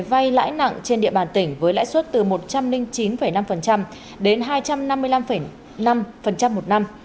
vay lãi nặng trên địa bàn tỉnh với lãi suất từ một trăm linh chín năm đến hai trăm năm mươi năm năm một năm